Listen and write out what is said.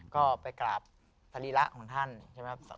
ก็ไปกราบสลิระท่าริระของท่าน